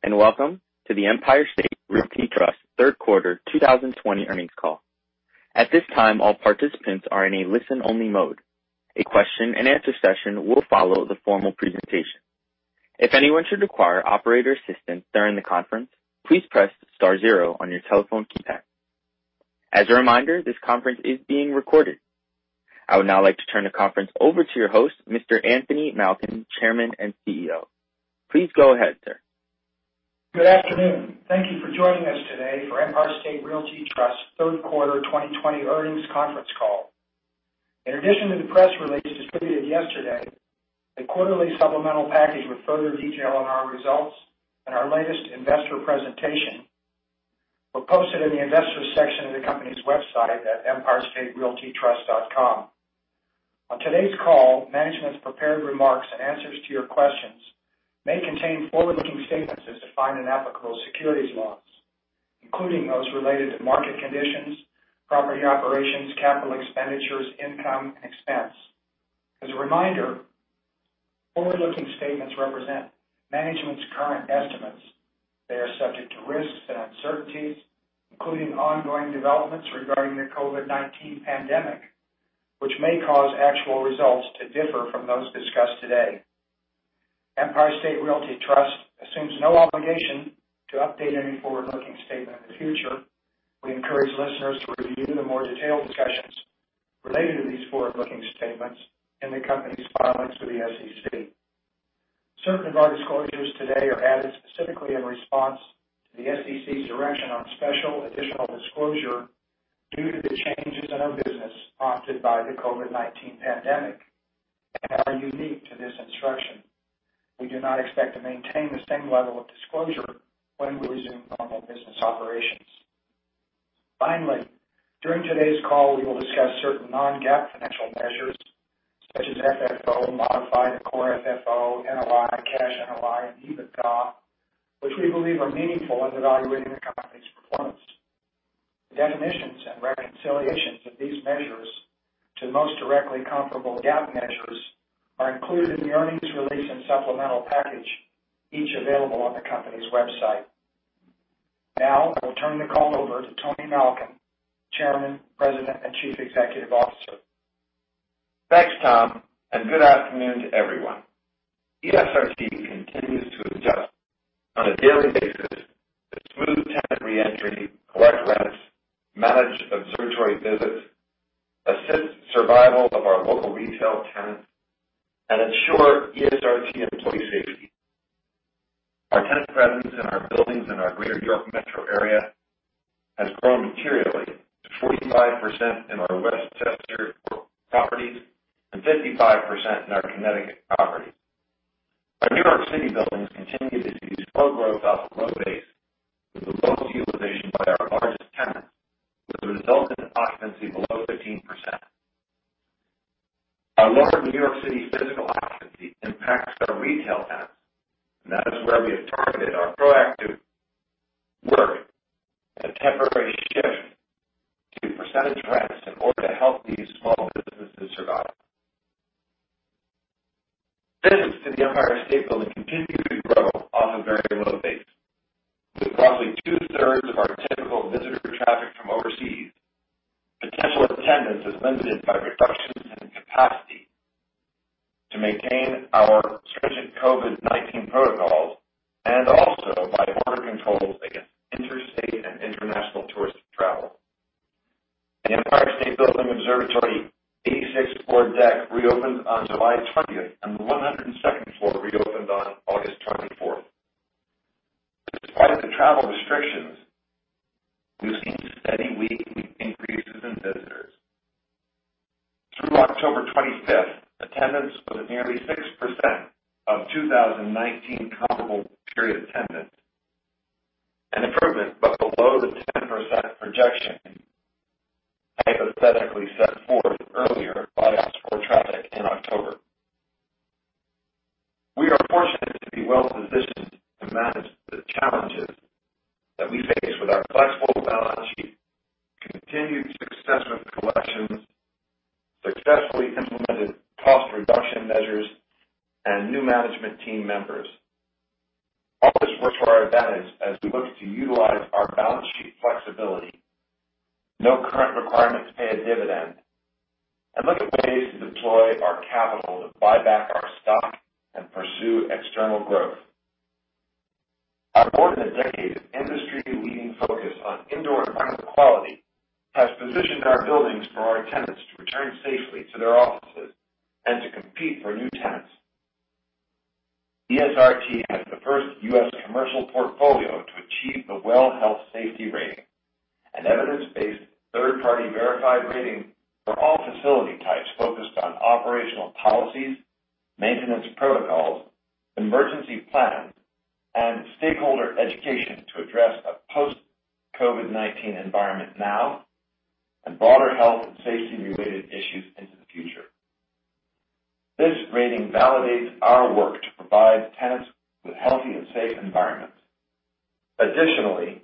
Greetings, and welcome to the Empire State Realty Trust Third Quarter 2020 Earnings Call. At this time, all participants are in a listen-only mode. A question and answer session will follow the formal presentation. If anyone should require operator assistance during the conference, please press star zero on your telephone keypad. As a reminder, this conference is being recorded. I would now like to turn the conference over to your host, Mr. Tom Keltner, EVP and General Counsel. Please go ahead, sir. Good afternoon. Thank you for joining us today for Empire State Realty Trust third quarter 2020 earnings conference call. In addition to the press release distributed yesterday, a quarterly supplemental package with further detail on our results and our latest investor presentation were posted in the Investors section of the company's website at empirestaterealtytrust.com. On today's call, management's prepared remarks and answers to your questions may contain forward-looking statements as defined in applicable securities laws, including those related to market conditions, property operations, capital expenditures, income, and expense. As a reminder, forward-looking statements represent management's current estimates. They are subject to risks and uncertainties, including ongoing developments regarding the COVID-19 pandemic, which may cause actual results to differ from those discussed today. Empire State Realty Trust assumes no obligation to update any forward-looking statement in the future. We encourage listeners to review the more detailed discussions related to these forward-looking statements in the company's filings with the SEC. Certain of our disclosures today are added specifically in response to the SEC's direction on special additional disclosure due to the changes in our business prompted by the COVID-19 pandemic, and are unique to this instruction. We do not expect to maintain the same level of disclosure when we resume normal business operations. During today's call, we will discuss certain non-GAAP financial measures such as Funds From Operations, modified Core FFO, Net Operating Income, cash NOI, and EBITDA, which we believe are meaningful in evaluating the company's performance. Definitions and reconciliations of these measures to the most directly comparable GAAP measures are included in the earnings release and supplemental package, each available on the company's website. Now I will turn the call over to Tony Malkin, Chairman, President, and Chief Executive Officer. Thanks, Tom, and good afternoon to everyone. Empire State Realty Trust continues to adjust on a daily basis to smooth tenant re-entry, collect rents, manage Observatory visits, assist survival of our local retail tenants, and ensure ESRT employee safety. Our tenant presence in our buildings in our greater New York metro area has grown materially to 45% in our Westchester properties and 55% in our Connecticut properties. Our New York City buildings continue to see slow growth off a low base with low utilization by our largest tenants, with a resultant occupancy below 15%. Our lower New York City physical occupancy impacts our retail tenants. That is where we have targeted our proactive work and temporary shift to percentage rents in order to help these small businesses survive. Visits to the Empire State Building continue to grow off a very low base. With roughly 2/3 of our typical visitor traffic from overseas, potential attendance is limited by reductions in capacity to maintain our stringent COVID-19 protocols and also by border controls against interstate and international tourist travel. The Empire State Building Observatory 86th floor deck reopened on July 20th, and the 102nd floor reopened on August 24th. Despite the travel restrictions, we've seen steady week-to-week increases in visitors. Through October 25th, attendance was nearly 6% of 2019 comparable period attendance, an improvement but below the 10% projection hypothetically set forth earlier by outdoor traffic in October. We are fortunate to be well-positioned to manage the challenges that we face with our flexible balance sheet, continued success with collections, successfully implemented cost reduction measures, and new management team members. All this works to our advantage as we look to utilize our balance sheet flexibility, no current requirement to pay a dividend, and look at ways to deploy our capital to buy back our stock and pursue external growth. Our more than a decade of industry-leading focus on indoor environmental quality has positioned our buildings for our tenants to return safely to their offices and to compete for new tenants. ESRT has the first U.S. commercial portfolio to achieve the WELL Health-Safety Rating, an evidence-based third-party verified rating for all facility types focused on operational policies, maintenance protocols, emergency plans, and stakeholder education to address a post-COVID-19 environment now and broader health and safety-related issues into the future. This rating validates our work to provide tenants with healthy and safe environments. Additionally,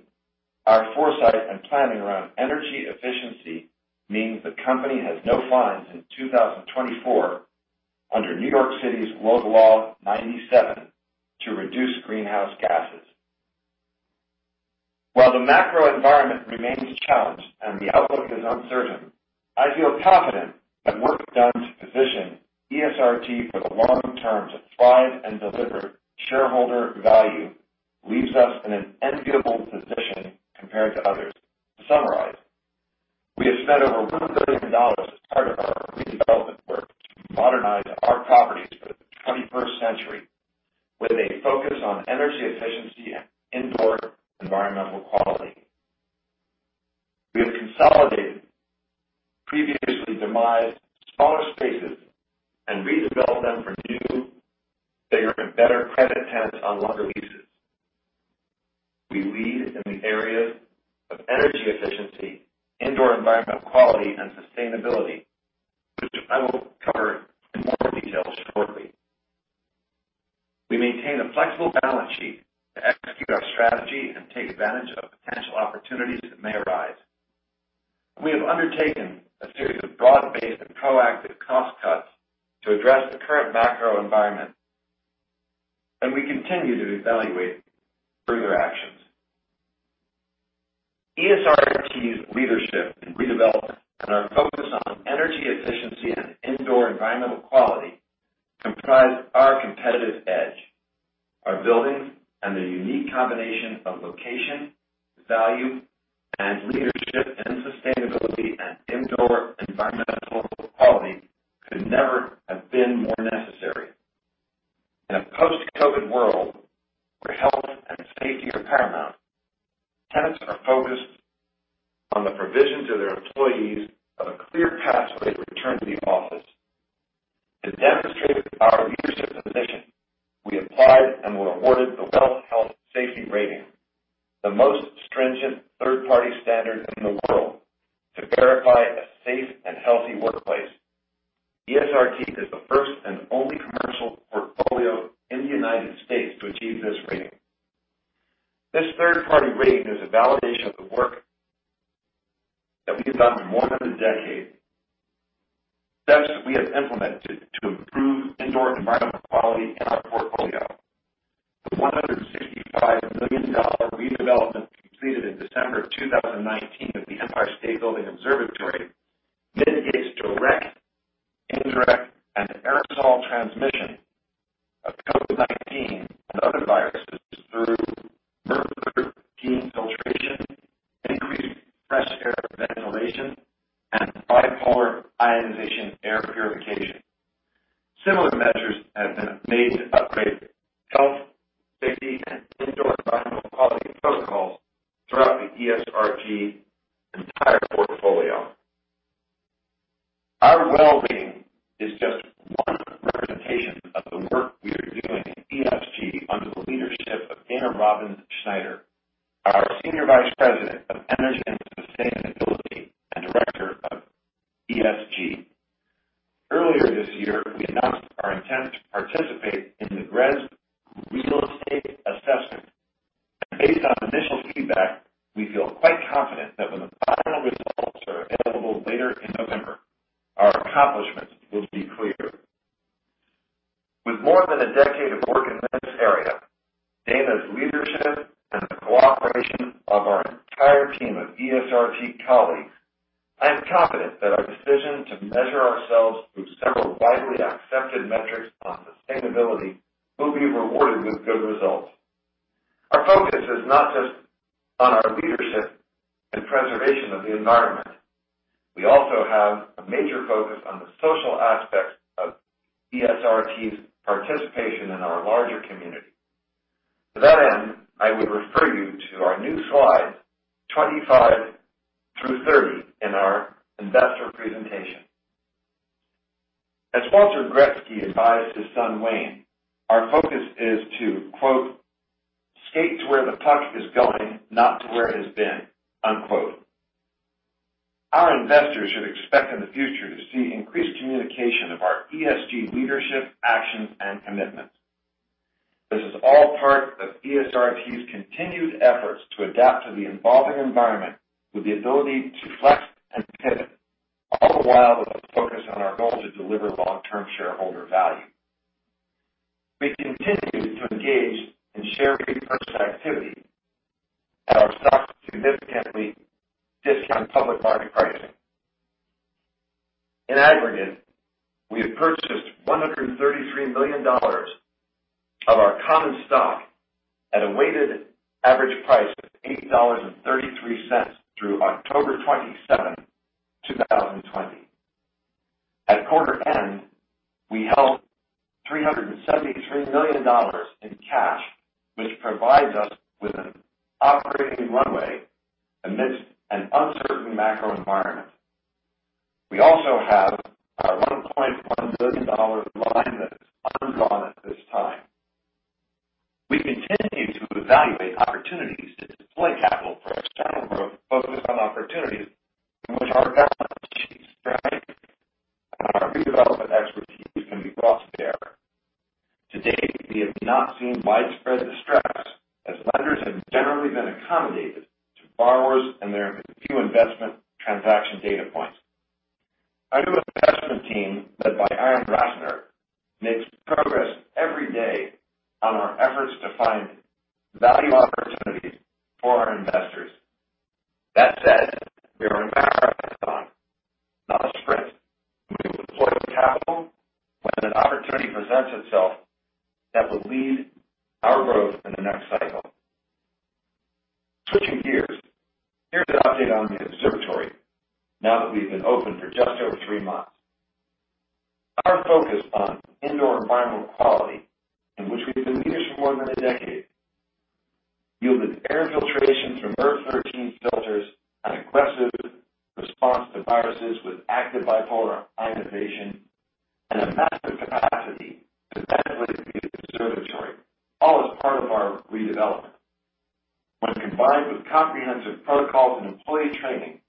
our foresight and planning around energy efficiency means the company has no fines in 2024 under New York City's Local Law 97 to reduce greenhouse gases. While the macro environment remains challenged and the outlook is uncertain, I feel confident that work done to position ESRT for the long term to thrive and deliver shareholder value leaves us in an enviable position compared to others. To summarize, we have spent over $1 billion as part of our redevelopment work to modernize our properties for the 21st century with a focus on energy efficiency and indoor environmental quality. We have consolidated previously demised smaller spaces and redeveloped them for new, bigger, and better credit tenants on longer leases. We lead in the areas of energy efficiency, indoor environmental quality, and sustainability, which I will cover in more detail shortly. We maintain a flexible balance sheet to execute our strategy and take advantage of potential opportunities that may arise. We have undertaken a series of broad-based and proactive cost cuts to address the current macro environment. We continue to evaluate further actions. ESRT's leadership in redevelopment and our focus on energy efficiency and indoor environmental quality comprise our competitive edge. Our buildings and their unique combination of location, value, and leadership in sustainability and indoor environmental quality could never have been more necessary. In a post-COVID-19 world where health and safety are paramount, tenants are focused on the provision to their employees of a clear pathway to return to the office. To demonstrate our leadership position, we applied and were awarded the WELL Health-Safety Rating, the most stringent third-party standard in the world to verify a safe and healthy workplace. ESRT is the first and only commercial portfolio in the U.S. to achieve this rating. This third-party rating is a validation of the work that we have done for more than a decade. Steps we have implemented to improve indoor environmental quality in our portfolio. The $165 million redevelopment completed in December of 2019 of the Empire State Building Observatory mitigates direct, indirect, and aerosol transmission of COVID-19 and other viruses through MERV 13 filtration, increased fresh air ventilation, and bipolar ionization air purification. Similar measures have been made to We continue to engage in share repurchase activity at our stock's significantly discounted public market pricing. In aggregate, we have purchased $133 million of our common stock at a weighted average price of $8.33 through October 27, 2020. At quarter end, we held $373 million in cash, which provides us with an operating runway amidst an uncertain macro environment. We also have our $1.1 billion line that is undrawn at this time. We continue to evaluate opportunities to deploy capital for external growth focused on opportunities in which our brought to bear. To date, we have not seen widespread distress as lenders have generally been accommodative to borrowers, and there have been few investment transaction data points. Our new investment team, led by Aaron Ratner, makes progress every day on our efforts to find value opportunities for our investors. That said, we are in a marathon, not a sprint. We will deploy our capital when an opportunity presents itself that will lead our growth in the next cycle. Switching gears, here's an update on the Observatory now that we've been open for just over three months. Our focus on indoor environmental quality, in which we've been leaders for more than a decade, yielded air filtration from MERV 13 filters, an aggressive response to viruses with active bipolar ionization, and a massive capacity to ventilate the Observatory, all as part of our redevelopment. When combined with comprehensive protocols and employee training,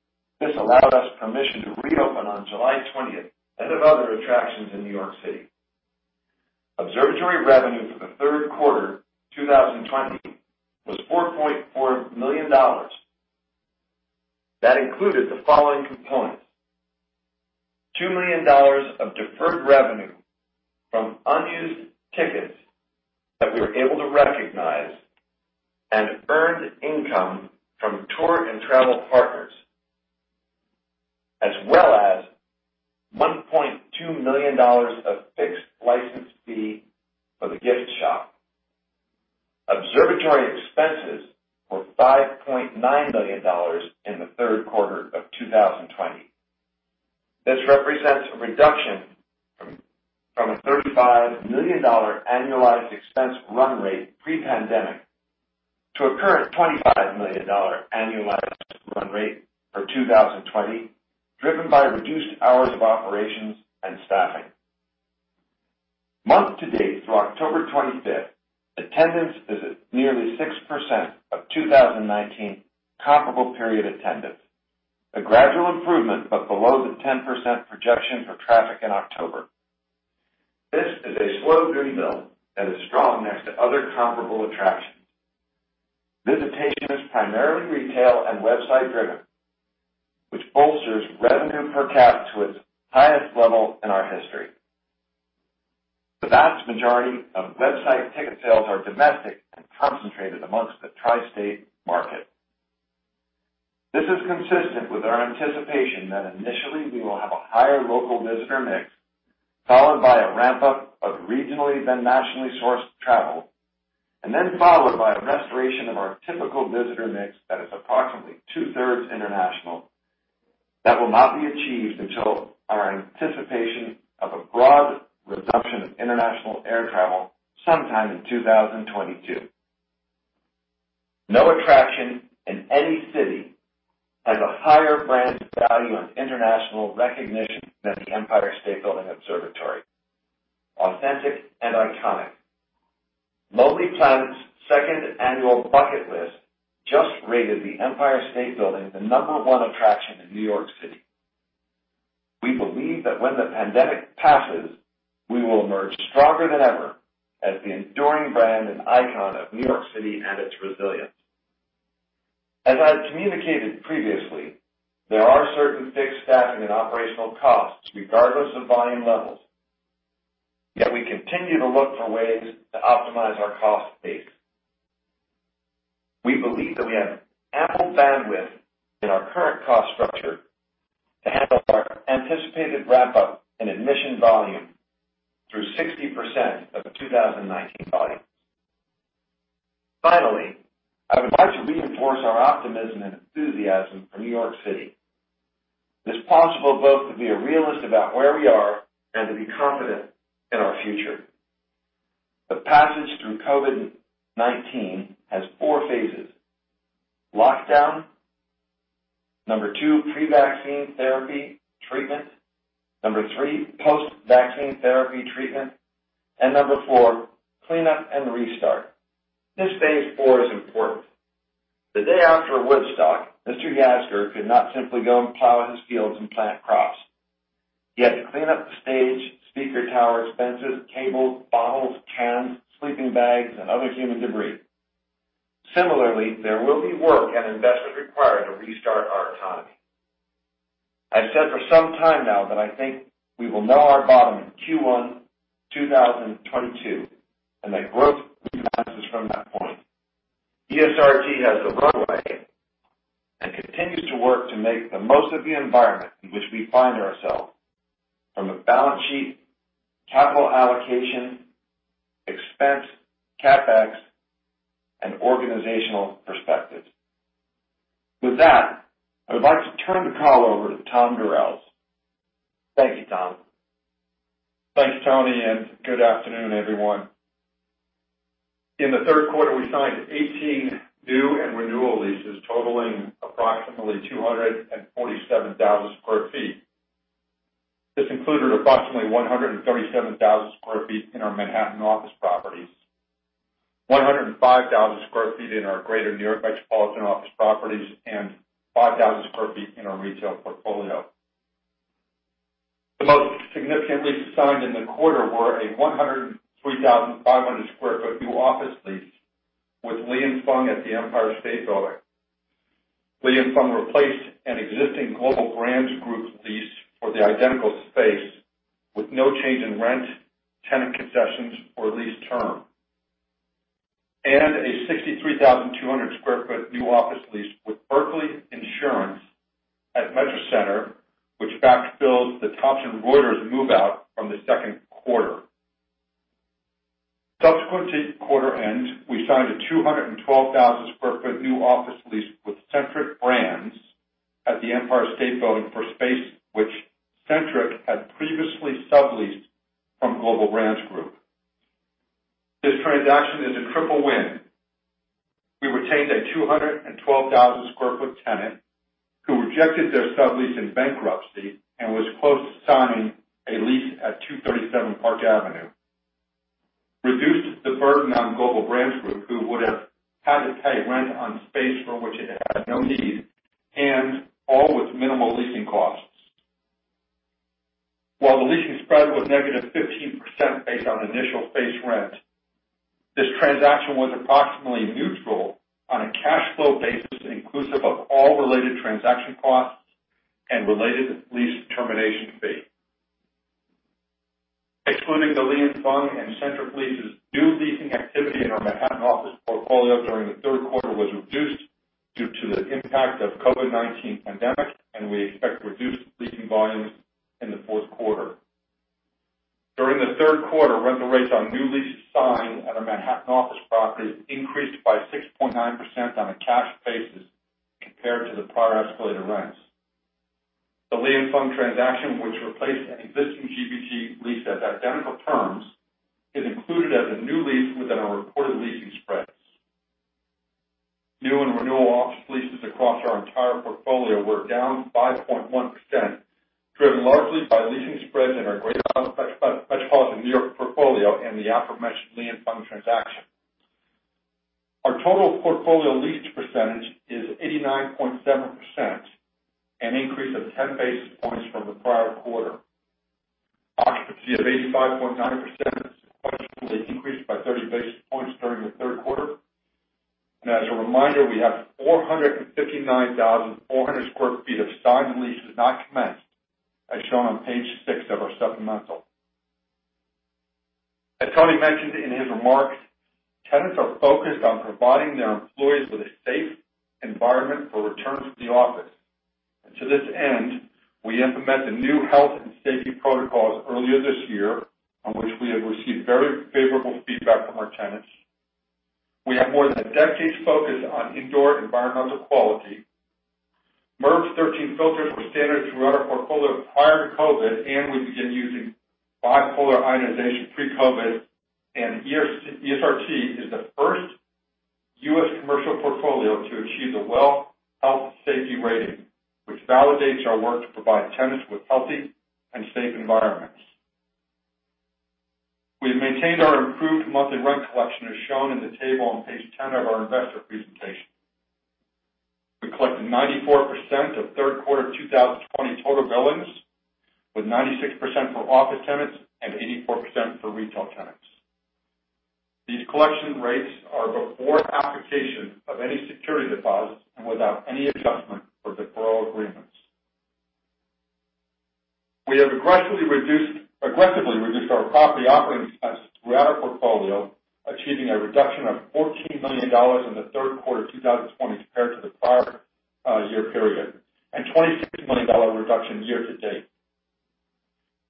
this allowed us permission to reopen on July 20th ahead of other attractions in New York City. Observatory revenue for the third quarter 2020 was $4.4 million. That included the following components: $2 million of deferred revenue from unused tickets that we were able to recognize, and earned income from tour and travel partners, as well as $1.2 million of fixed license fee for the gift shop. Observatory expenses were $5.9 million in the third quarter of 2020. This represents a reduction from a $35 million annualized expense run rate pre-pandemic to a current $25 million annualized run rate for 2020, driven by reduced hours of operations and staffing. Month to date through October 25th, attendance is at nearly 6% of 2019 comparable period attendance, a gradual improvement, but below the 10% projection for traffic in October. This is a slow burn build that is strong next to other comparable attractions. Visitation is primarily retail and website-driven, which bolsters revenue per cap to its highest level in our history. The vast majority of website ticket sales are domestic and concentrated amongst the tri-state market. This is consistent with our anticipation that initially we will have a higher local visitor mix, followed by a ramp-up of regionally, then nationally sourced travel, and then followed by a restoration of our typical visitor mix that is approximately two-thirds international. That will not be achieved until our anticipation of a broad resumption of international air travel sometime in 2022. No attraction in any city has a higher brand value and international recognition than the Empire State Building Observatory. Authentic and iconic. Lonely Planet's second annual bucket list just rated the Empire State Building the number one attraction in New York City. We believe that when the pandemic passes, we will emerge stronger than ever as the enduring brand and icon of New York City and its resilience. As I've communicated previously, there are certain fixed staffing and operational costs regardless of volume levels. Yet we continue to look for ways to optimize our cost base. We believe that we have ample bandwidth in our current cost structure to handle our anticipated ramp-up in admission volume through 60% of 2019 volumes. Finally, I would like to reinforce our optimism and enthusiasm for New York City. It is possible both to be a realist about where we are and to be confident in our future. The passage through COVID-19 has four phases. Lockdown, number two, pre-vaccine therapy treatment, number three, post-vaccine therapy treatment, and number four, cleanup and restart. This phase IV is important. The day after Woodstock, Mr. Yasgur could not simply go and plow his fields and plant crops. He had to clean up the stage, speaker towers, fences, cables, bottles, cans, sleeping bags, and other human debris. Similarly, there will be work and investment required to restart our economy. I've said for some time now that I think we will know our bottom in Q1 2022, and that growth resumes from that point. ESRT has the runway and continues to work to make the most of the environment in which we find ourselves from a balance sheet, capital allocation, expense, CapEx, and organizational perspective. With that, I would like to turn the call over to Tom Durels. Thank you, Tom. Thanks, Tony, and good afternoon, everyone. In the third quarter, we signed 18 new and renewal leases totaling approximately 247,000 sq ft. This included approximately 137,000 sq ft in our Manhattan office properties, 105,000 sq ft in our Greater New York Metropolitan office properties, and 5,000 sq ft in our retail portfolio. The most significant leases signed in the quarter were a 103,500 sq ft new office lease with Li & Fung at the Empire State Building. Li & Fung replaced an existing Global Brands Group lease for the identical space, with no change in rent, tenant concessions, or lease term, and a 63,200 sq ft new office lease with Berkley Insurance at Metro Center, which backfills the Thomson Reuters move-out from the second quarter. Subsequent to quarter end, we signed a 212,000 sq ft new office lease with Centric Brands at the Empire State Building for space which Centric had previously subleased from Global Brands Group. This transaction is a triple win. We retained a 212,000 sq ft tenant who rejected their sublease in bankruptcy and was close to signing a lease at 237 Park Avenue. Reduced the burden on Global Brands Group, who would have had to pay rent on space for which it had no need, and all with minimal leasing costs. While the leasing spread was -15% based on initial base rent, this transaction was approximately neutral on a cash flow basis, inclusive of all related transaction costs and related lease termination fee. Excluding the Li & Fung and Centric leases, new leasing activity in our Manhattan office portfolio during the third quarter was reduced due to the impact of COVID-19 pandemic, and we expect reduced leasing volumes in the fourth quarter. During the third quarter, rental rates on new leases signed at our Manhattan office properties increased by 6.9% on a cash basis compared to the prior escalated rents. The Li & Fung transaction, which replaced an existing Global Brands Group lease at identical terms, is included as a new lease within our reported leasing spreads. New and renewal office leases across our entire portfolio were down 5.1%, driven largely by leasing spreads in our Greater Metropolitan New York portfolio and the aforementioned Li & Fung transaction. Our total portfolio lease percentage is 89.7%, an increase of 10 basis points from the prior quarter. Occupancy of 85.9% subsequently increased by 30 basis points during the third quarter. As a reminder, we have 459,400 sq ft of signed leases not commenced, as shown on page six of our supplemental. As Tony mentioned in his remarks, tenants are focused on providing their employees with a safe environment for return to the office. To this end, we implemented new health and safety protocols earlier this year, on which we have received very favorable feedback from our tenants. We have more than a decade's focus on indoor environmental quality. MERV 13 filters were standard throughout our portfolio prior to COVID, we began using bipolar ionization pre-COVID, ESRT is the first U.S. commercial portfolio to achieve the WELL Health-Safety Rating, which validates our work to provide tenants with healthy and safe environments. We have maintained our improved monthly rent collection, as shown in the table on page 10 of our investor presentation. We collected 94% of third quarter 2020 total billings, with 96% for office tenants and 84% for retail tenants. These collection rates are before application of any security deposits and without any adjustment for deferral agreements. We have aggressively reduced our property operating expenses throughout our portfolio, achieving a reduction of $14 million in the third quarter 2020 compared to the prior year period, and $26 million reduction year to date.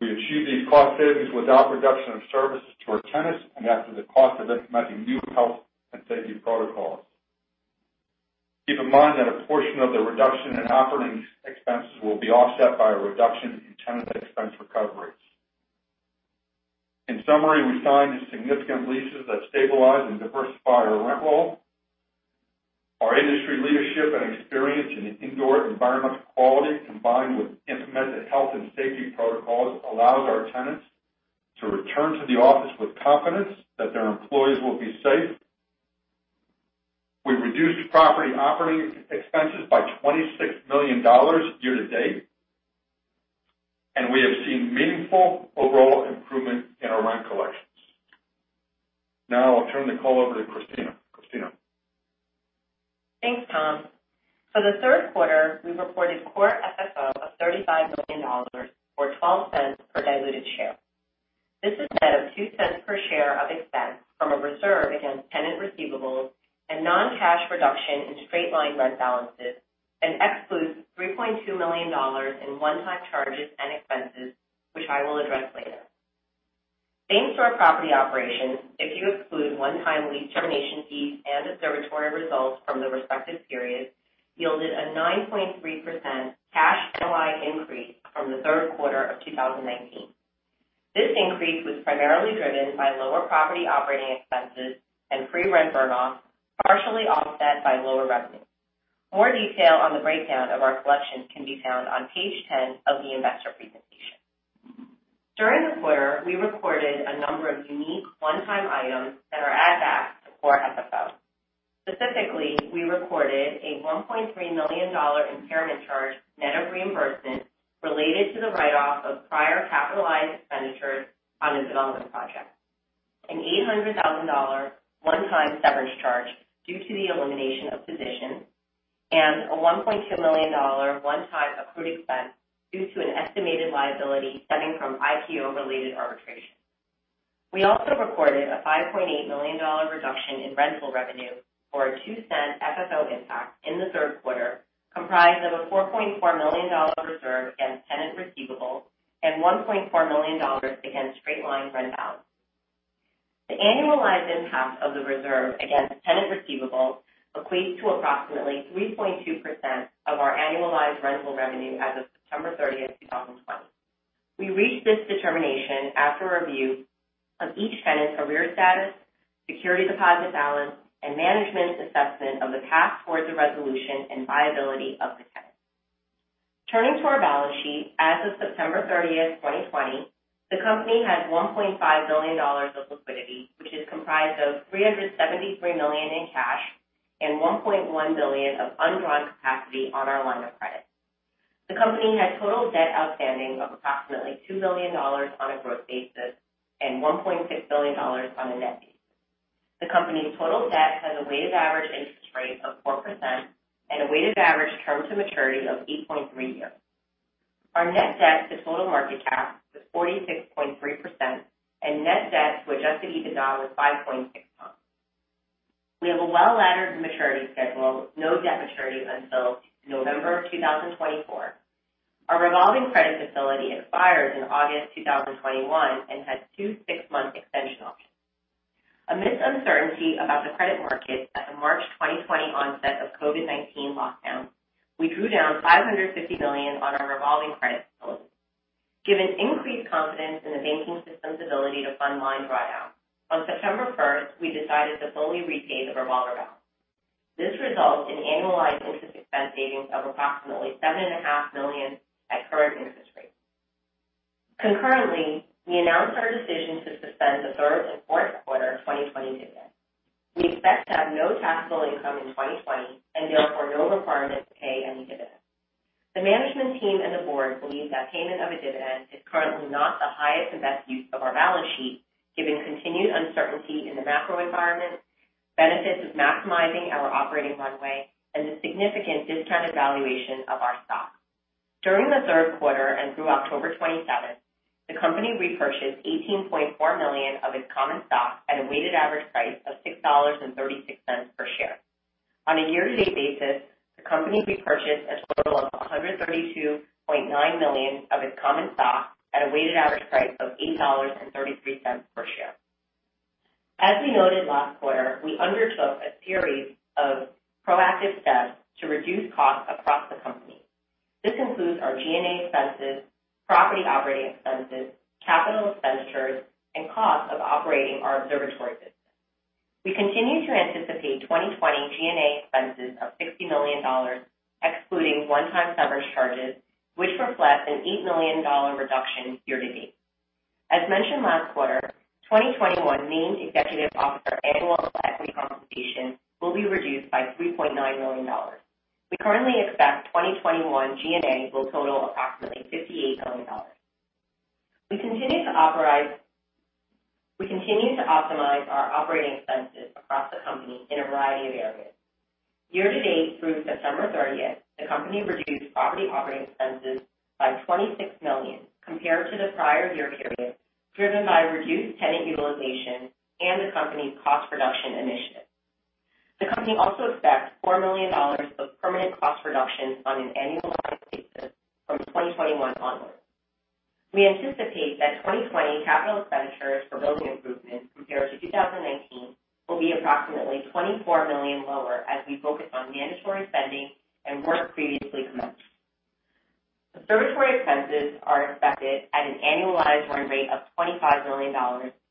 We achieved these cost savings without reduction of services to our tenants and after the cost of implementing new health and safety protocols. Keep in mind that a portion of the reduction in operating expenses will be offset by a reduction in tenant expense recoveries. In summary, we signed significant leases that stabilize and diversify our rent roll. Our industry leadership and experience in indoor environmental quality, combined with implemented health and safety protocols, allows our tenants to return to the office with confidence that their employees will be safe. We reduced property operating expenses by $26 million year to date, and we have seen meaningful overall improvement in our rent collections. Now I'll turn the call over to Christina Chiu. Christina? Thanks, Tom. For the third quarter, we reported Core FFO of $35 million or $0.12 per diluted share. This is net of $0.02 per share of expense from a reserve against tenant receivables and non-cash reduction in straight-line rent balances and excludes $3.2 million in one-time charges and expenses, which I will address later. [Same-store] property operations, if you exclude one-time lease termination fees and observatory results from the respective periods yielded a 9.3% cash NOI increase from the third quarter of 2019. This increase was primarily driven by lower property operating expenses and free rent burn-off, partially offset by lower revenue. More detail on the breakdown of our collections can be found on page 10 of the investor presentation. During the quarter, we recorded a number of unique one-time items that are add backs to Core FFO. Specifically, we recorded a $1.3 million impairment charge net of reimbursement related to the write-off of prior capitalized expenditures on a development project. An $800,000 one-time severance charge due to the elimination of positions, and a $1.2 million one-time accrued expense due to an estimated liability stemming from IPO-related arbitration. We also recorded a $5.8 million reduction in rental revenue, or a $0.02 FFO impact in the third quarter, comprised of a $4.4 million reserve against tenant receivables and $1.4 million against straight-line rent balance. The annualized impact of the reserve against tenant receivables equates to approximately 3.2% of our annualized rental revenue as of September 30th, 2020. We reached this determination after review of each tenant's credit status, security deposit balance, and management's assessment of the path towards a resolution and viability of the tenant. Turning to our balance sheet, as of September 30th, 2020, the company had $1.5 billion of liquidity, which is comprised of $373 million in cash and $1.1 billion of undrawn capacity on our line of credit. The company had total debt outstanding of approximately $2 billion on a gross basis and $1.6 billion on a net basis. The company's total debt has a weighted average interest rate of 4% and a weighted average term to maturity of 8.3 years. Our net debt to total market cap was 46.3% and net debt to adjusted EBITDA was 5.6x. We have a well-laddered maturity schedule with no debt maturity until November of 2024. Our revolving credit facility expires in August 2021 and has two six-month extension options. Amidst uncertainty about the credit markets at the March 2020 onset of COVID-19 lockdowns, we drew down $550 million on our revolving credit facility. Given increased confidence in the banking system's ability to fund line draw down, on September 1st, we decided to fully repay the revolver balance. This results in annualized interest expense savings of approximately $7.5 million at current interest rates. Concurrently, we announced our decision to suspend the third and fourth quarter 2020 dividend. We expect to have no taxable income in 2020 and therefore no requirement to pay any dividends. The management team and the board believe that payment of a dividend is currently not the highest and best use of our balance sheet, given continued uncertainty in the macro environment, benefits of maximizing our operating runway, and the significant discounted valuation of our stock. During the third quarter and through October 27th, the company repurchased $18.4 million of its common stock at a weighted average price of $6.36 per share. On a year-to-date basis, the company repurchased a total of $132.9 million of its common stock at a weighted average price of $8.33 per share. As we noted last quarter, we undertook a series of proactive steps to reduce costs across the company. This includes our G&A expenses, property operating expenses, capital expenditures, and costs of operating our observatory business. We continue to anticipate 2020 G&A expenses of $60 million, excluding one-time severance charges, which reflects an $8 million reduction year-to-date. As mentioned last quarter, 2021 named executive officer annual equity compensation will be reduced by $3.9 million. We currently expect 2021 G&A will total approximately $58 million. We continue to optimize our operating expenses across the company in a variety of areas. Year-to-date through September 30th, the company reduced property operating expenses by $26 million compared to the prior year period, driven by reduced tenant utilization and the company's cost reduction initiative. The company also expects $4 million of permanent cost reductions on an annualized basis from 2021 onwards. We anticipate that 2020 capital expenditures for building improvements compared to 2019 will be approximately $24 million lower as we focus on mandatory spending and work previously commenced. Observatory expenses are expected at an annualized run rate of $25 million.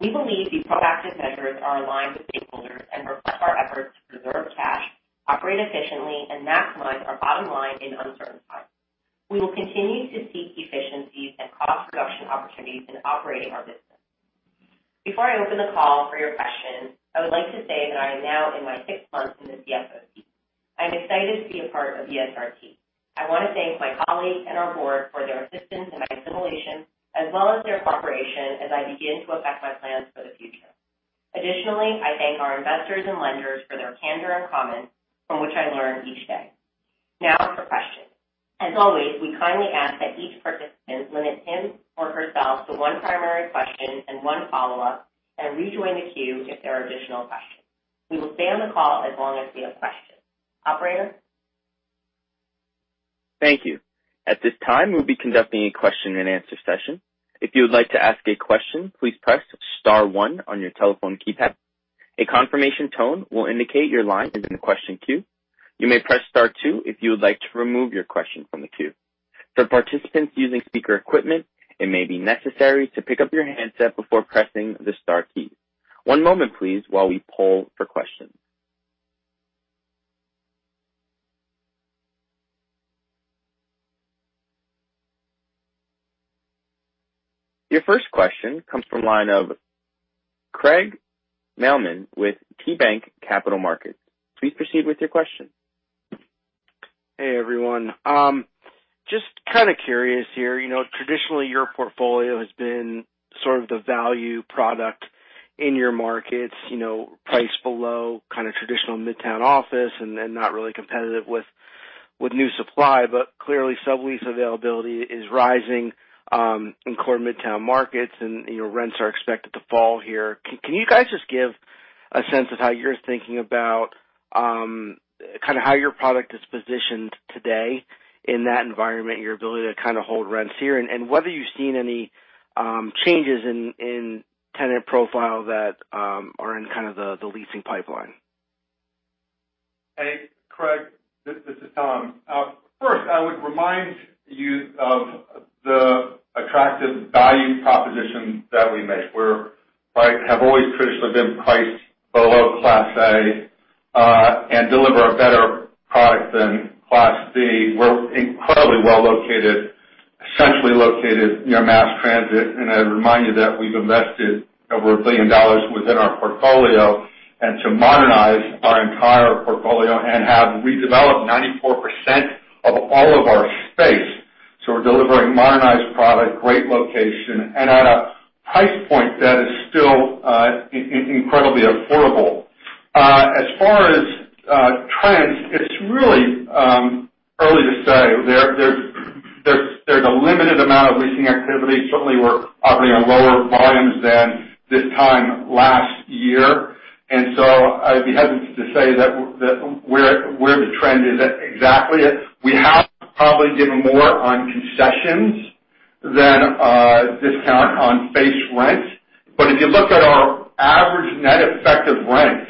We believe these proactive measures are aligned with stakeholders and reflect our efforts to preserve cash, operate efficiently, and maximize our bottom line in uncertain times. We will continue to seek efficiencies and cost reduction opportunities in operating our business. Before I open the call for your questions, I would like to say that I am now in my sixth month in the CFO seat. I'm excited to be a part of the ESRT team. I want to thank my colleagues and our board for their assistance in my assimilation as well as their cooperation as I begin to effect my plans for the future. Additionally, I thank our investors and lenders for their candor and comments from which I learn each day. Now for questions. As always, we kindly ask that each participant limit him or herself to one primary question and one follow-up and rejoin the queue if there are additional questions. We will stay on the call as long as we have questions. Operator? Thank you. At this time, we'll be conducting a question and answer session. If you'd like to ask a question, please press star one on your telephone keypad, and a confirmation tone will indicate your line is in the question queue. You may press star two if you'd like to remove your question from the queue. For participants that are using speaker equipment, it may be necessary to pick up your handset before pressing the star key. One moment, please, while we poll for questions. Your first question comes from the line of Craig Mailman with KeyBanc Capital Markets. Please proceed with your question. Hey, everyone. Just kind of curious here. Traditionally, your portfolio has been sort of the value product in your markets, priced below kind of traditional midtown office and then not really competitive with new supply, clearly sublease availability is rising in core midtown markets and your rents are expected to fall here. Can you guys just give a sense of how you're thinking about how your product is positioned today in that environment, your ability to kind of hold rents here, and whether you've seen any changes in tenant profile that are in kind of the leasing pipeline? Hey, Craig. This is Tom. I would remind you of the attractive value proposition that we make, where I have always traditionally been priced below Class A and deliver a better product than Class B. We're incredibly well-located, centrally located near mass transit. I'd remind you that we've invested over $1 billion within our portfolio to modernize our entire portfolio and have redeveloped 94% of all of our space. We're delivering modernized product, great location, and at a price point that is still incredibly affordable. As far as trends, it's really early to say. There's a limited amount of leasing activity. Certainly, we're operating on lower volumes than this time last year. I'd be hesitant to say where the trend is at exactly. We have probably given more on concessions than a discount on base rent. If you look at our average net effective rent,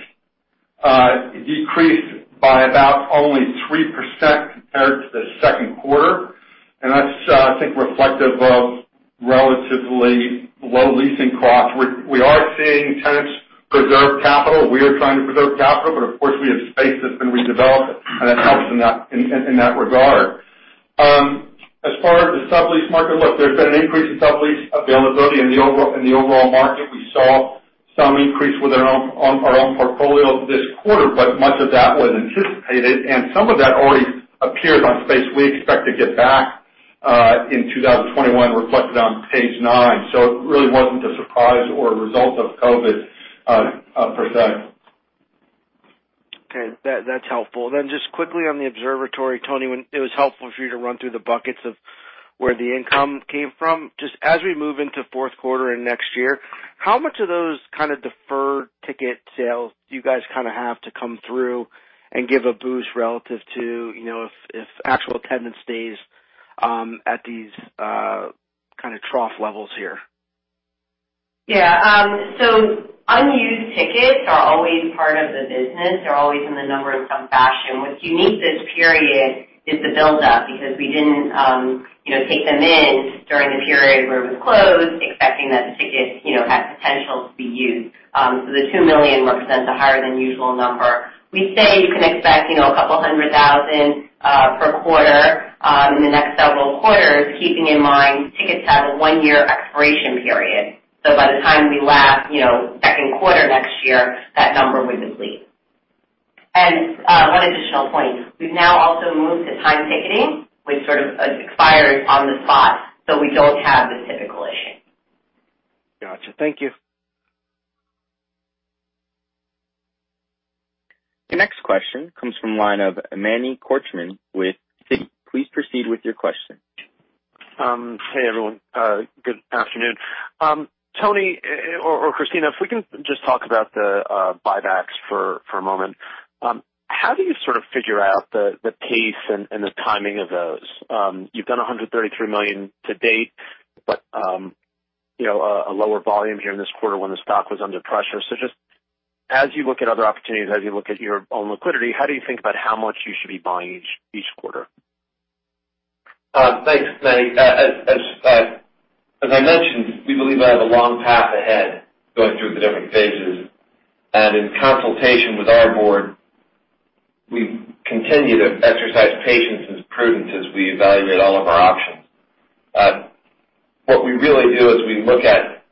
it decreased by about only 3% compared to the second quarter, and that's, I think, reflective of relatively low leasing costs. We are seeing tenants preserve capital. We are trying to preserve capital, but of course, we have space that's been redeveloped, and it helps in that regard. As far as the sublease market, look, there's been an increase in sublease availability in the overall market. We saw some increase with our own portfolio this quarter, but much of that was anticipated, and some of that already appears on space we expect to get back in 2021 reflected on page nine. It really wasn't a surprise or a result of COVID per se. Okay. That's helpful. Just quickly on The Observatory, Tony, it was helpful for you to run through the buckets of where the income came from. Just as we move into fourth quarter and next year, how much of those kind of deferred ticket sales do you guys kind of have to come through and give a boost relative to if actual attendance stays at these kind of trough levels here? Unused tickets are always part of the business. They're always in the numbers some fashion. What's unique this period is the buildup, because we didn't take them in during the period where it was closed, expecting that the ticket had potential to be used. The 2 million represents a higher than usual number. We say you can expect a couple hundred thousand per quarter in the next several quarters, keeping in mind, tickets have a one-year expiration period. By the time we lap second quarter next year, that number would deplete. One additional point, we've now also moved to timed ticketing, which sort of expires on the spot, so we don't have the typical issue. Got you. Thank you. The next question comes from the line of Manny Korchman with Citigroup. Please proceed with your question. Hey, everyone. Good afternoon. Tony or Christina, if we can just talk about the buybacks for a moment. How do you sort of figure out the pace and the timing of those? You've done $133 million to date, but a lower volume here in this quarter when the stock was under pressure. Just as you look at other opportunities, as you look at your own liquidity, how do you think about how much you should be buying each quarter? Thanks, Manny. As I mentioned, we believe we have a long path ahead going through the different phases. In consultation with our board, we continue to exercise patience and prudence as we evaluate all of our options. What we really do is we look at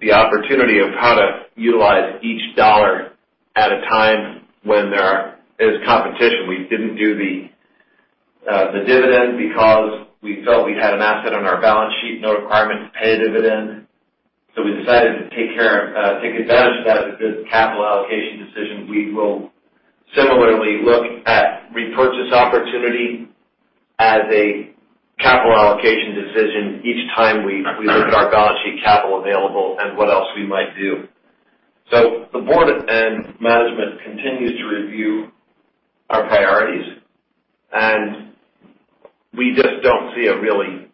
the opportunity of how to utilize each dollar at a time when there is competition. We didn't do the dividend because we felt we had an asset on our balance sheet, no requirement to pay a dividend. We decided to take advantage of that as a capital allocation decision. We will similarly look at repurchase opportunity as a capital allocation decision each time we look at our balance sheet capital available and what else we might do. The board and management continues to review our priorities, and we just don't see a really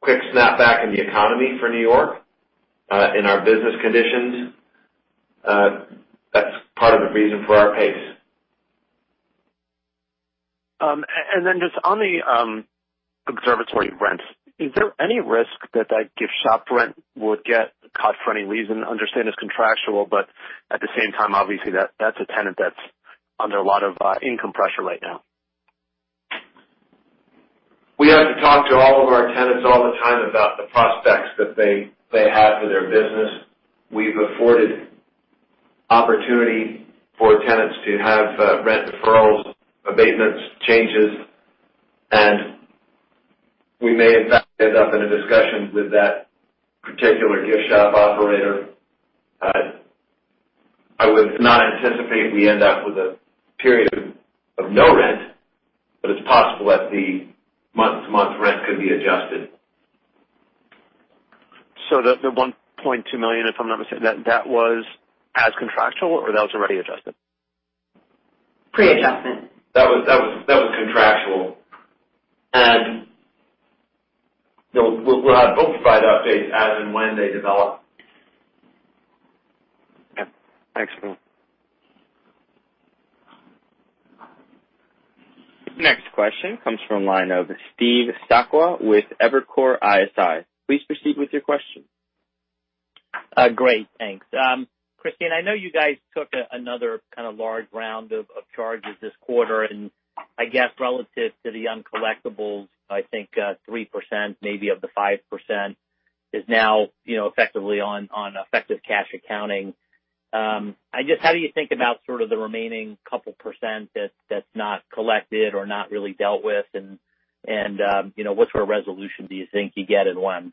quick snapback in the economy for New York, in our business conditions. Another reason for our pace. Just on the observatory rents, is there any risk that that gift shop rent would get cut for any reason? I understand it's contractual, but at the same time, obviously, that's a tenant that's under a lot of income pressure right now. We have to talk to all of our tenants all the time about the prospects that they have for their business. We've afforded opportunity for tenants to have rent deferrals, abatements, changes, and we may in fact end up in a discussion with that particular gift shop operator. I would not anticipate we end up with a period of no rent, but it's possible that the month-to-month rent could be adjusted. The $1.2 million, if I'm not mistaken, that was as contractual or that was already adjusted? Pre-adjustment. That was contractual. We'll have both side updates as and when they develop. Yeah. Thanks for that. Next question comes from line of Steve Sakwa with Evercore ISI. Please proceed with your question. Great, thanks. Christina, I know you guys took another kind of large round of charges this quarter. I guess relative to the uncollectables, I think 3%, maybe of the 5%, is now effectively on effective cash accounting. Just how do you think about sort of the remaining couple percent that's not collected or not really dealt with and what sort of resolution do you think you get and when?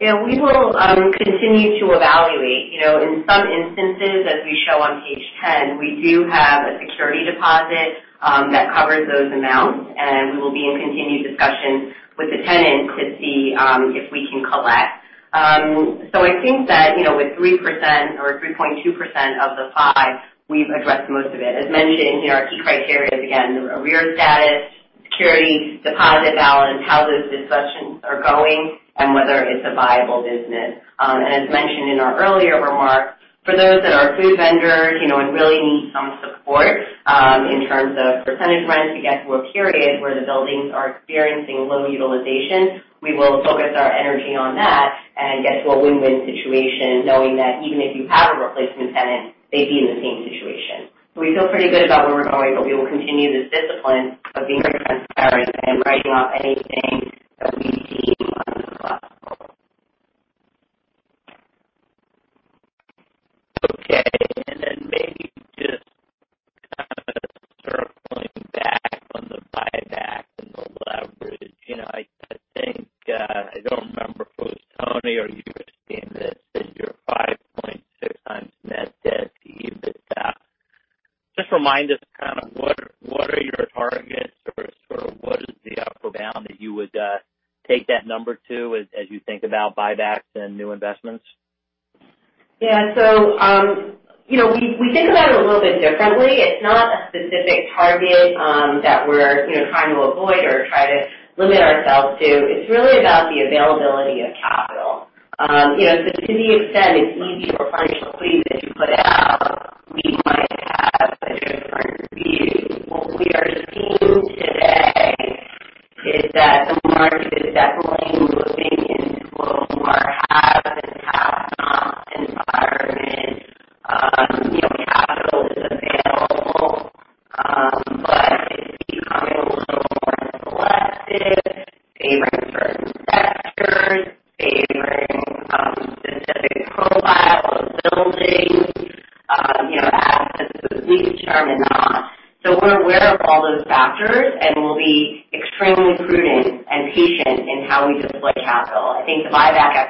Yeah, we will continue to evaluate. In some instances, as we show on page 10, we do have a security deposit that covers those amounts, and we will be in continued discussion with the tenant to see if we can collect. I think that with 3% or 3.2% of the five, we've addressed most of it. As mentioned in here, our key criteria is, again, arrear status, security deposit balance, how those discussions are going, and whether it's a viable business. As mentioned in our earlier remarks, for those that are food vendors and really need some support in terms of percentage rents to get to a period where the buildings are experiencing low utilization, we will focus our energy on that and get to a win-win situation knowing that even if you have a replacement tenant, they'd be in the same situation. We feel pretty good about where we're going, but we will continue this discipline of being. I think, I don't remember if it was Tony or you, Christine, that said you're 5.6x net debt to EBITDA. Just remind us kind of what are your targets or sort of what is the upper bound that you would take that number to as you think about buybacks and new investments? Yeah. We think about it a little bit differently. It's not a specific target that we're trying to avoid or try to limit ourselves to. It's really about the availability of capital. To the extent it's easy for financial screens. We're aware of all those factors, and we'll be extremely prudent and patient in how we deploy capital. I think the buyback activity reflects that, which is when we announced square foot or implied valuation is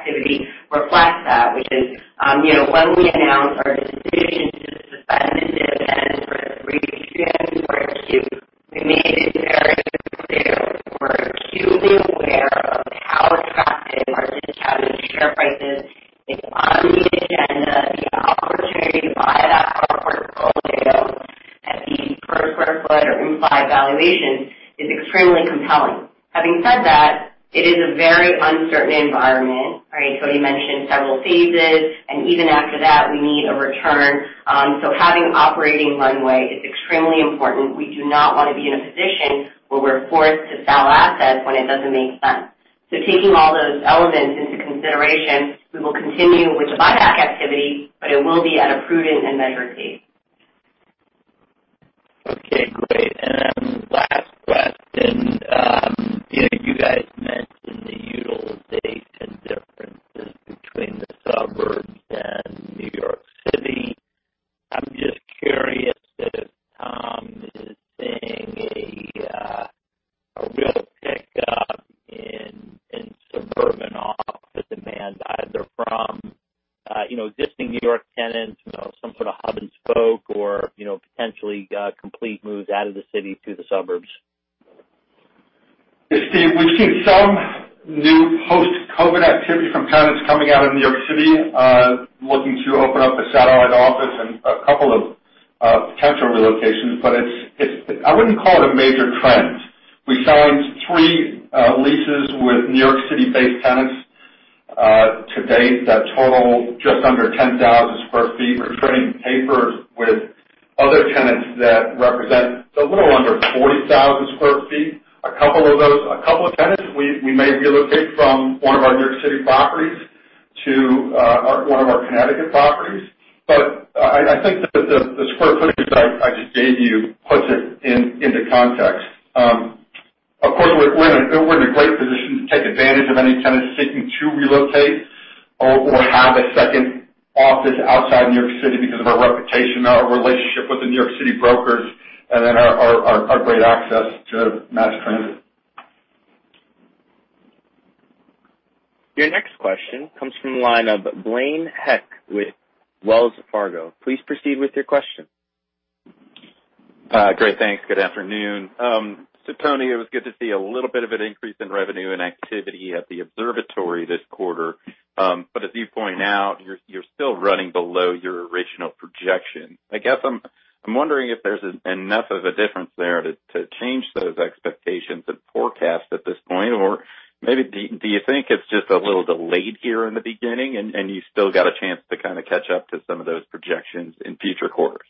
extremely compelling. Having said that, it is a very uncertain environment. Right? Tony mentioned several phases, and even after that, we need a return. Having operating runway is extremely important. We do not want to be in a position where we're forced to sell assets when it doesn't make sense. Taking all those elements into consideration, we will continue with the buyback activity, but it will be at a prudent and measured pace. suburban office demand, either from existing New York tenants, some sort of hub and spoke or potentially complete moves out of the city to the suburbs. Yeah, Steve, we've seen some new post-COVID activity from tenants coming out of New York City looking to open up a satellite office and a couple of potential relocations, but I wouldn't call it a major trend. We signed three leases with New York City-based tenants. To date, that total just under 10,000 sq ft. We're trading papers with other tenants that represent a little under 40,000 sq ft. A couple of tenants, we may relocate from one of our New York City properties to one of our Connecticut properties. I think that the square footage I just gave you puts it into context. Of course, we're in a great position to take advantage of any tenant seeking to relocate or have a second office outside New York City because of our reputation, our relationship with the New York City brokers, and then our great access to mass transit. Your next question comes from the line of Blaine Heck with Wells Fargo. Please proceed with your question. Great. Thanks. Good afternoon. Tony, it was good to see a little bit of an increase in revenue and activity at the Observatory this quarter. As you point out, you're still running below your original projection. I guess, I'm wondering if there's enough of a difference there to change those expectations and forecast at this point, or maybe do you think it's just a little delayed here in the beginning and you still got a chance to kind of catch up to some of those projections in future quarters?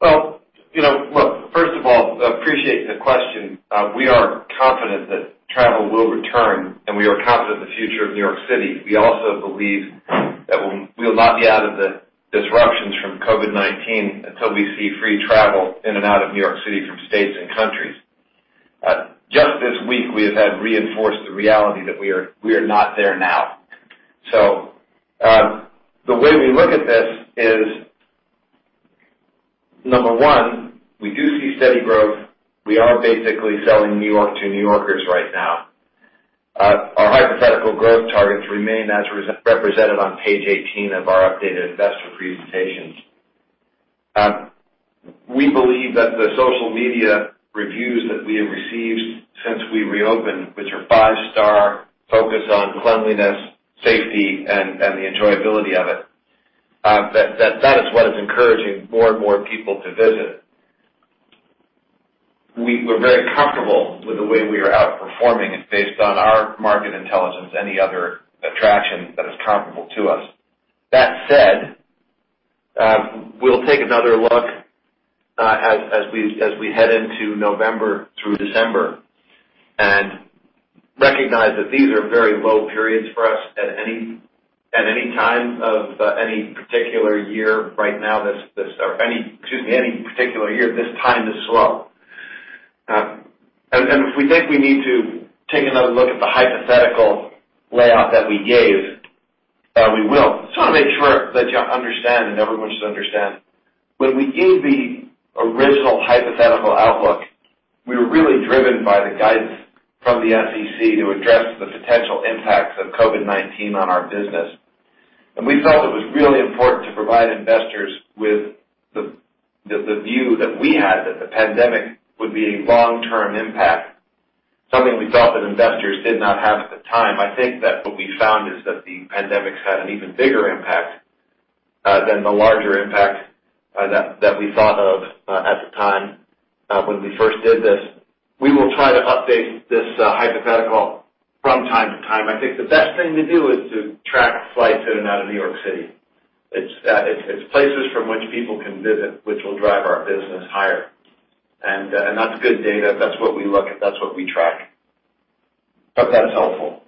Well, look, first of all, appreciate the question. We are confident that travel will return, and we are confident in the future of New York City. We also believe that we will not be out of the disruptions from COVID-19 until we see free travel in and out of New York City from states and countries. Just this week, we have had reinforced the reality that we are not there now. The way we look at this is, number one, we do see steady growth. We are basically selling New York to New Yorkers right now. Our hypothetical growth targets remain as represented on page 18 of our updated investor presentations. We believe that the social media reviews that we have received since we reopened, which are five-star, focus on cleanliness, safety, and the enjoyability of it, that is what is encouraging more and more people to visit. We're very comfortable with the way we are outperforming it based on our market intelligence, any other attraction that is comparable to us. We'll take another look as we head into November through December and recognize that these are very low periods for us at any time of any particular year right now. Excuse me, any particular year, this time is slow. If we think we need to take another look at the hypothetical layout that we gave, we will. I just want to make sure that you understand and everyone should understand. When we gave the original hypothetical outlook, we were really driven by the guidance from the SEC to address the potential impacts of COVID-19 on our business. We felt it was really important to provide investors with the view that we had that the pandemic would be a long-term impact, something we felt that investors did not have at the time. What we found is that the pandemic's had an even bigger impact than the larger impact that we thought of at the time when we first did this. We will try to update this hypothetical from time to time. The best thing to do is to track flights in and out of New York City. It's places from which people can visit, which will drive our business higher. That's good data. That's what we look at. That's what we track. Hope that's helpful.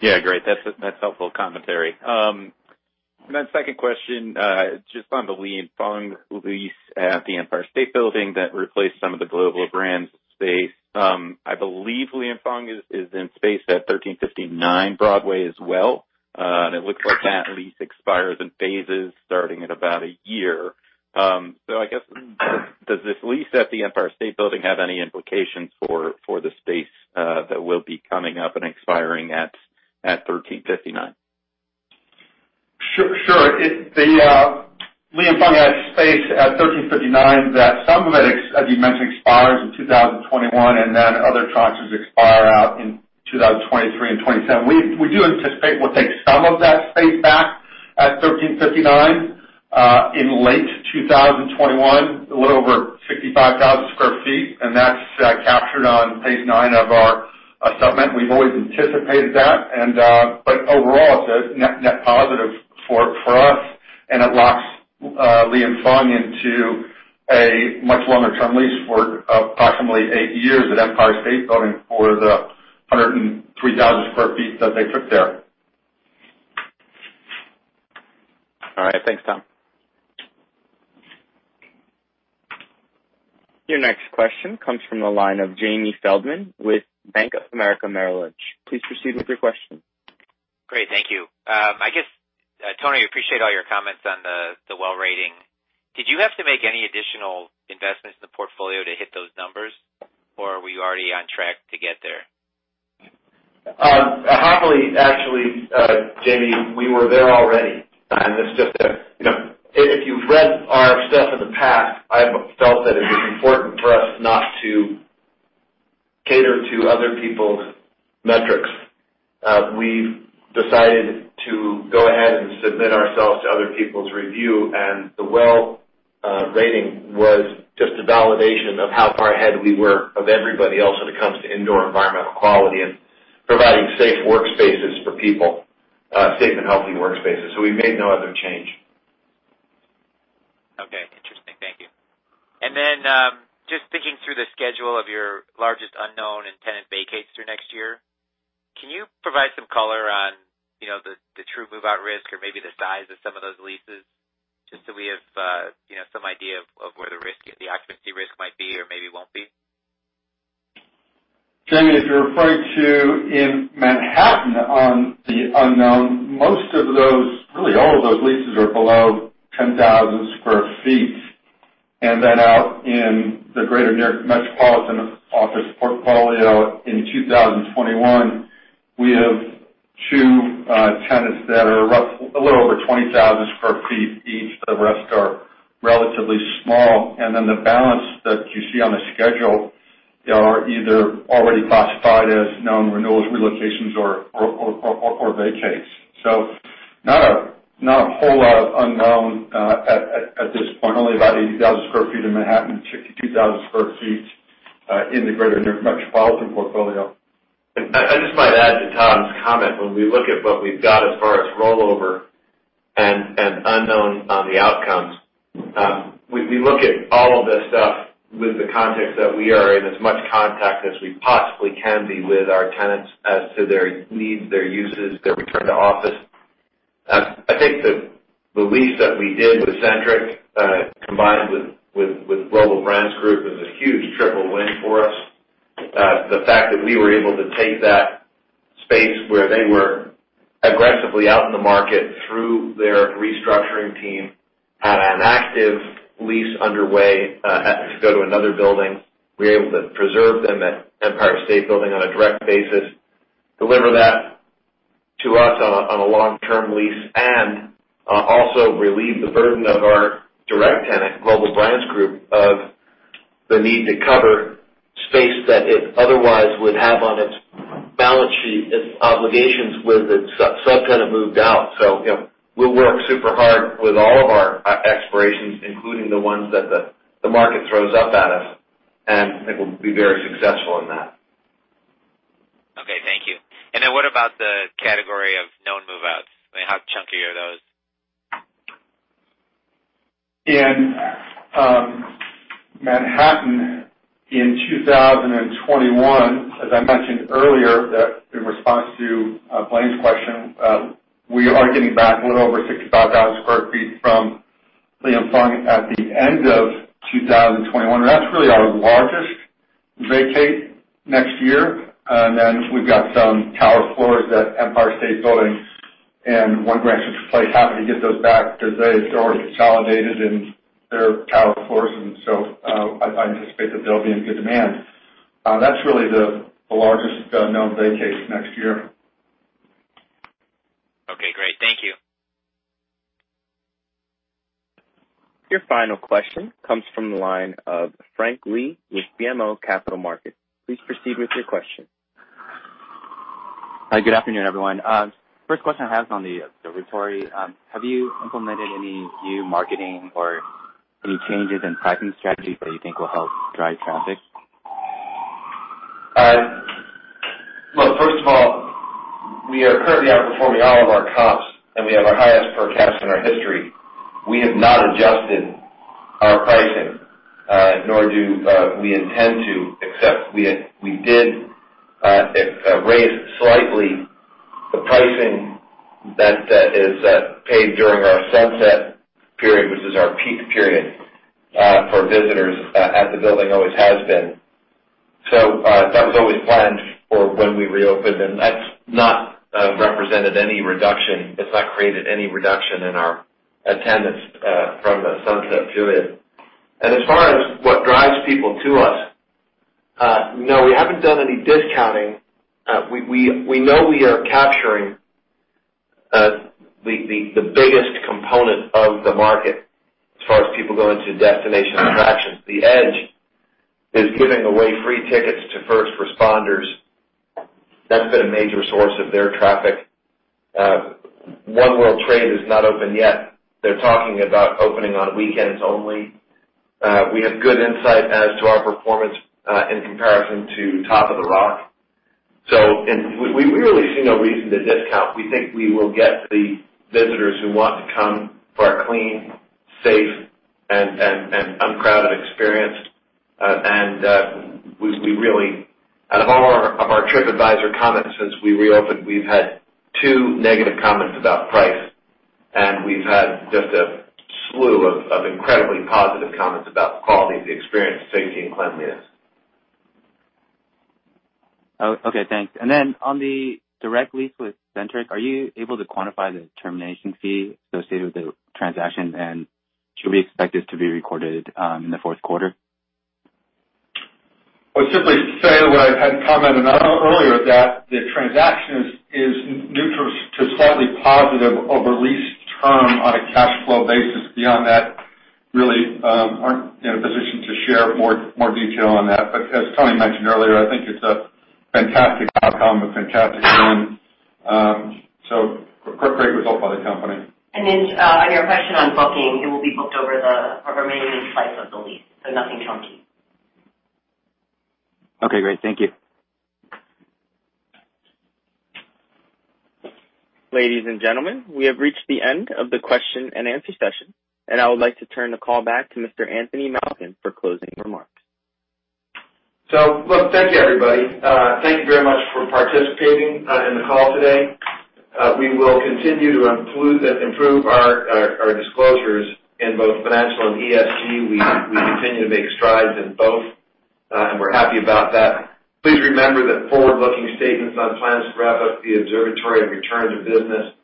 Yeah. Great. That's helpful commentary. Second question, just on the Li & Fung lease at the Empire State Building that replaced some of the Global Brands space. I believe Li & Fung is in space at 1359 Broadway as well. It looks like that lease expires in phases starting in about one year. I guess, does this lease at the Empire State Building have any implications for the space that will be coming up and expiring at 1359? Sure. Li & Fung has space at 1359 that some of it, as you mentioned, expires in 2021, and then other tranches expire out in 2023 and 2027. We do anticipate we'll take some of that space back at 1359 in late 2021, a little over 65,000 sq ft, and that's captured on page nine of our supplement. We've always anticipated that. Overall, it's a net positive for us, and it locks Li & Fung into a much longer-term lease for approximately eight years at Empire State Building for the 103,000 sq ft that they took there. All right. Thanks, Tom. Your next question comes from the line of Jamie Feldman with Bank of America. Please proceed with your question. Great. Thank you. I guess, Tony, appreciate all your comments on the WELL Health-Safety Rating. Did you have to make any additional investments in the portfolio to hit those numbers, or were you already on track to get there? Happily, actually, Jamie, we were there already. It's just if you've read our stuff in the past, I've felt that it was important for us not to cater to other people's metrics. We've decided to go ahead and submit ourselves to other people's review, and the WELL Health-Safety Rating was just a validation of how far ahead we were of everybody else when it comes to indoor environmental quality and providing safe workspaces for people, safe and healthy workspaces. We made no other change. Okay. Interesting. Thank you. Just thinking through the schedule of your largest unknown and tenant vacates through next year, can you provide some color on the true move-out risk or maybe the size of some of those leases, just so we have some idea of where the occupancy risk might be or maybe won't be? Jamie, if you're referring to in Manhattan on the unknown, most of those, really all of those leases are below 10,000 sq ft. Out in the greater New York metropolitan office portfolio in 2021, we have two tenants that are a little over 20,000 sq ft each. The rest are relatively small. The balance that you see on the schedule are either already classified as known renewals, relocations, or vacates. Not a whole lot unknown at this point. Only about 80,000 sq ft in Manhattan, 62,000 sq ft in the greater New York metropolitan portfolio. I just might add to Tom's comment. When we look at what we've got as far as rollover and unknown on the outcomes, we look at all of this stuff with the context that we are in as much contact as we possibly can be with our tenants as to their needs, their uses, their return to office. I think the lease that we did with Centric, combined with Global Brands Group, is this huge triple win for us. The fact that we were able to take that space where they were aggressively out in the market through their restructuring team, had an active lease underway to go to another building. We were able to preserve them at Empire State Building on a direct basis, deliver that to us on a long-term lease, and also relieve the burden of our direct tenant, Global Brands Group, of the need to cover space that it otherwise would have on its balance sheet, its obligations with its subtenant moved out. We work super hard with all of our expirations, including the ones that the market throws up at us, and I think we'll be very successful in that. Okay, thank you. What about the category of known move-outs? How chunky are those? In Manhattan in 2021, as I mentioned earlier in response to Blaine's question, we are getting back a little over 65,000 sq ft from Li & Fung at the end of 2021. That's really our largest vacate next year. Then we've got some tower floors at Empire State Building and One Grand Central Place. Happy to get those back because they are consolidated in their tower floors. I anticipate that they'll be in good demand. That's really the largest known vacate next year. Okay, great. Thank you. Your final question comes from the line of Frank Li with BMO Capital Markets. Please proceed with your question. Hi, good afternoon, everyone. First question I have is on the ESB Observatory. Have you implemented any new marketing or any changes in pricing strategies that you think will help drive traffic? Look, first of all, we are currently outperforming all of our comps, and we have our highest forecast in our history. We have not adjusted our pricing, nor do we intend to, except we did raise slightly the pricing that is paid during our sunset period, which is our peak period for visitors at the building, always has been. That was always planned for when we reopened, and that's not represented any reduction. It's not created any reduction in our attendance from the sunset period. As far as what drives people to us, no, we haven't done any discounting. We know we are capturing the biggest component of the market as far as people going to destination attractions. The Edge is giving away free tickets to first responders. That's been a major source of their traffic. One World Trade is not open yet. They're talking about opening on weekends only. We have good insight as to our performance in comparison to Top of the Rock. We really see no reason to discount. We think we will get the visitors who want to come for a clean, safe, and uncrowded experience. Out of our Tripadvisor comments since we reopened, we've had two negative comments about price, and we've had just a slew of incredibly positive comments about the quality of the experience, safety, and cleanliness. Okay, thanks. On the direct lease with Centric, are you able to quantify the termination fee associated with the transaction? Should we expect this to be recorded in the fourth quarter? I'll simply say what I had commented on earlier, that the transaction is neutral to slightly positive over lease term on a cash flow basis. Beyond that, really aren't in a position to share more detail on that. As Tony mentioned earlier, I think it's a fantastic outcome. Great result by the company. On your question on booking, it will be booked over the remaining slice of the lease, so nothing chunky. Okay, great. Thank you. Ladies and gentlemen, we have reached the end of the question-and-answer session, and I would like to turn the call back to Mr. Tony Malkin for closing remarks. Look, thank you, everybody. Thank you very much for participating in the call today. We will continue to improve our disclosures in both financial and ESG. We continue to make strides in both, and we're happy about that. Please remember that forward-looking statements on plans for ESB Observatory and returns of business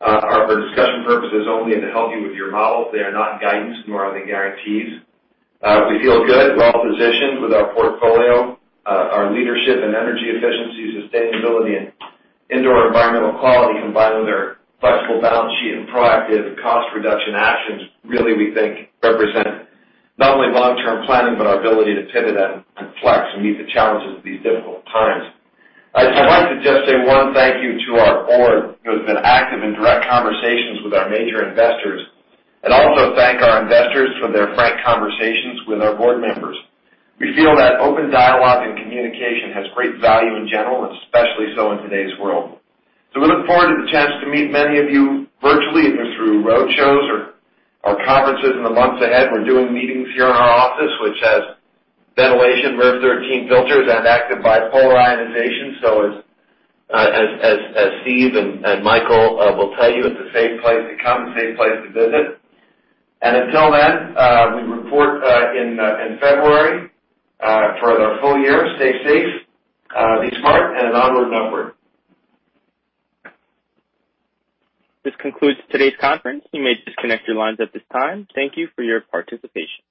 are for discussion purposes only and to help you with your models. They are not guidance, nor are they guarantees. We feel good, well-positioned with our portfolio. Our leadership in energy efficiency, sustainability, and indoor environmental quality, combined with our flexible balance sheet and proactive cost reduction actions, really, we think, represent not only long-term planning but our ability to pivot and flex and meet the challenges of these difficult times. I'd just like to say one thank you to our board, who has been active in direct conversations with our major investors. Also thank our investors for their frank conversations with our board members. We feel that open dialogue and communication has great value in general, especially so in today's world. We look forward to the chance to meet many of you virtually, either through roadshows or conferences in the months ahead. We're doing meetings here in our office, which has ventilation, MERV 13 filters, and active bipolar ionization. As Steve and Michael will tell you, it's a safe place to come and a safe place to visit. Until then, we report in February for our full year. Stay safe, be smart, onward and upward. This concludes today's conference. You may disconnect your lines at this time. Thank you for your participation.